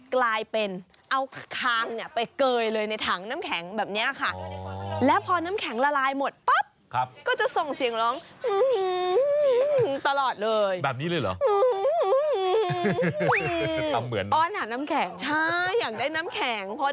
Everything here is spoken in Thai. กลายเป็นเอาคางเนี่ยไปเกยเลยในถังน้ำแข็งแบบเนี่ยค่ะ